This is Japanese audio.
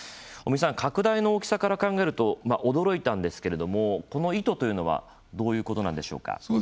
尾身さん、拡大の大きさから考えると驚いたんですけどこの意図というのはどういうことなんでしょうか？